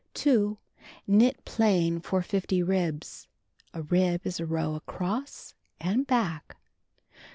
2. Knit plain for 50 ribs. (A rib is a row across and back.)